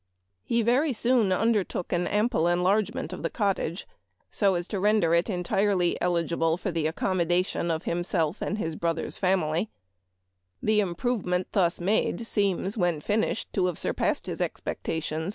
He very soon undertook an ample enlarge ment of the cottage, so as to render it entirely Memoir of Washington Irving. 279 eligible for the accommodation of himself and his brother's family. The improvement thus made seems, when finished, to have surpassed his expectation.